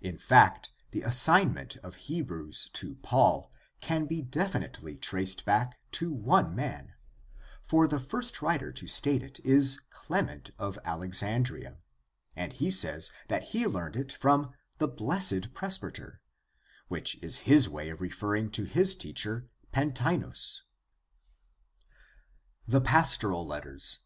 In fact, the assignment of Hebrews to Paul can be definitely traced back to one man, for the first writer to state it is Clement of Alexandria, and he says that he learned it from the Blessed Presbyter, which is his way of referring to his teacher Pantaenus. THE STUDY OF THE NEW TESTAMENT 183 The Pastoral Letters.